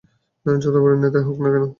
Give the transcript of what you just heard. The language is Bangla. যত বড় নেতাই হোক না কেন।